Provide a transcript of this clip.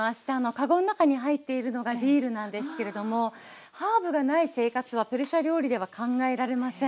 かごの中に入っているのがディルなんですけれどもハーブがない生活はペルシャ料理では考えられません。